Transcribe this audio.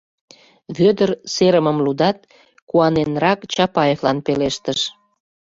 Вӧдыр серымым лудат, куаненрак Чапаевлан пелештыш: